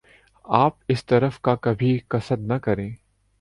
آپ اس طرف کا کبھی قصد نہ کریں